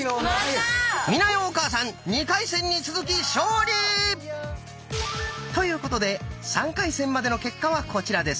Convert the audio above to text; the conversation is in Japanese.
美奈代お母さん２回戦に続き勝利！ということで３回戦までの結果はこちらです。